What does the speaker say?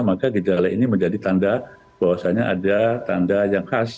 maka gejala ini menjadi tanda bahwasannya ada tanda yang khas